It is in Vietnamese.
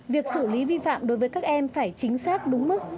việc xử lý vi phạm đối với các em phải chính xác đúng mức